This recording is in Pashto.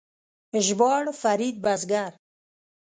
ژباړ: فرید بزګر